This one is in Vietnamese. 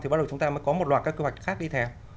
thì bắt đầu chúng ta mới có một loạt các quy hoạch khác đi theo